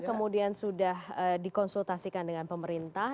kemudian sudah dikonsultasikan dengan pemerintah